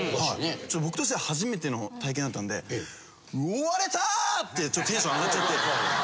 僕としては初めての体験だったんで。ってちょっとテンション上がっちゃって。